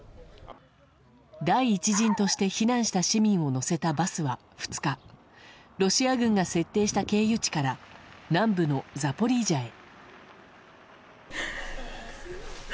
第１陣として避難した市民を乗せたバスは２日ロシア軍が設定した経由地から南部のザポリージャへ。